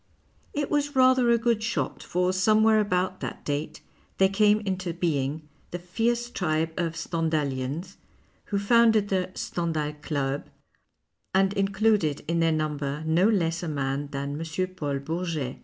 It was rather a good shot, for somewhere about that date there came intobeing the fierce tribe of Stendhalians, who founded the " Stendhal Club " and included in their numl^er no less a man than M. Paul Bourget.